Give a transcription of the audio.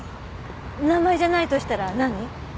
名前じゃないとしたら何？